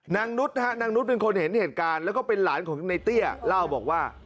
นุษย์นางนุษย์เป็นคนเห็นเหตุการณ์แล้วก็เป็นหลานของในเตี้ยเล่าบอกว่า